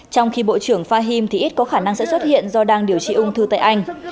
trong khi bộ trưởng fahim thì ít có khả năng sẽ xuất hiện do đang điều trị ung thư tại anh